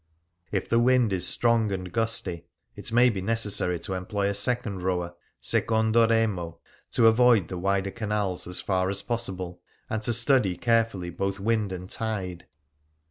If the wind is strong and gusty, it may be necessary to employ a second rower — secondo remo — to avoid the wider canals as far as pos sible, and to study carefully both wind and tide.